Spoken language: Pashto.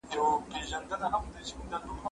زه هره ورځ ښوونځی ځم!